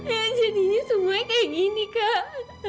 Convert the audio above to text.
ya jadinya semuanya kayak gini kak